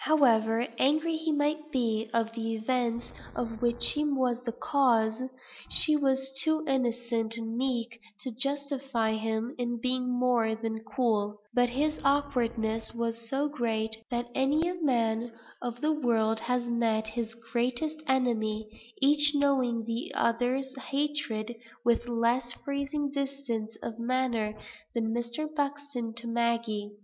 However angry he might be with the events of which she was the cause, she was too innocent and meek to justify him in being more than cool; but his awkwardness was so great, that many a man of the world has met his greatest enemy, each knowing the other's hatred, with less freezing distance of manner than Mr. Buxton's to Maggie.